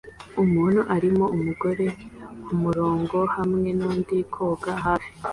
Umuntu arimo umugore kumurongo hamwe nundi koga hafi